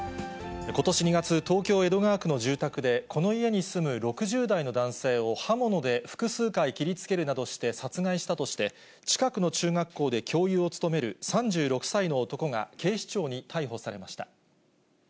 ことし２月、東京・江戸川区の住宅で、この家に住む６０代の男性を刃物で複数回切りつけるなどして殺害したとして、近くの中学校で教諭を務める３６歳の男が、警視庁に逮捕されました。